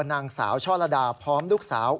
นางสาวช่อระดาพร้อมลูกสาว